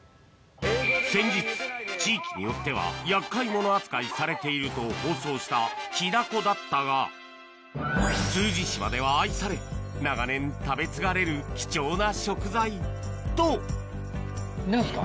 先日地域によっては厄介者扱いされていると放送したキダコだったが長年食べ継がれる貴重な食材と何すか？